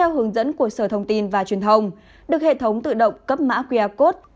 theo hướng dẫn của sở thông tin và truyền thông được hệ thống tự động cấp mã qr code